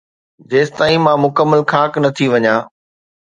جيستائين مان مڪمل خاڪ نه ٿي وڃان